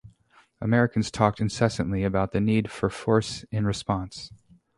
Americans talked incessantly about the need for force in response.